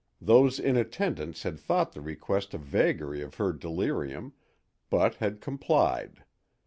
Those in attendance had thought the request a vagary of her delirium, but had complied.